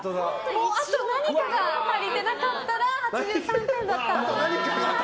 もうあと何かが足りてなかったら８３点だった。